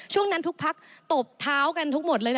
ช่วงนั้นทุกพักตบเท้ากันทุกหมดเลยนะ